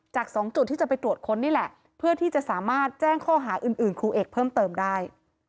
จาก๒จุดที่จะไปตรวจค้นนี่แหละเพื่อที่จะสามารถแจ้งข้อหาอื่นครูเอกเพิ่มเติมได้